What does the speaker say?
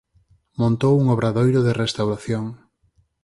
Montou un obradoiro de restauración.